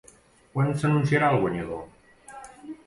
Quan s'anunciarà el guanyador?